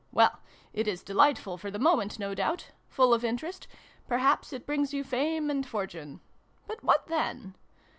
Well, it is delightful for the moment, no doubt full of interest perhaps it brings you fame and fortune. But what then